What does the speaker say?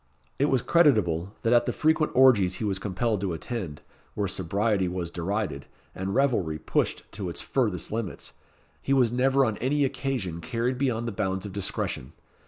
It was creditable, that at the frequent orgies he was compelled to attend, where sobriety was derided, and revelry pushed to its furthest limits, he was never on any occasion carried beyond the bounds of discretion.